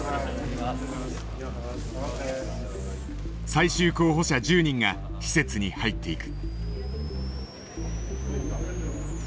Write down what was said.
最終候補者１０人が施設に入っていく。